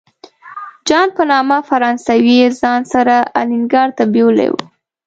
جان په نامه فرانسوی یې ځان سره الینګار ته بیولی و.